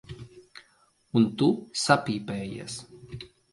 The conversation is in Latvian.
Un tu sapīpējies.